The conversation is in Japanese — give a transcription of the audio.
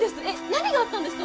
何があったんですか？